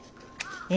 え？